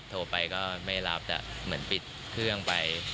โทรไปก็ไม่รับแต่เหมือนปิดเครื่องไป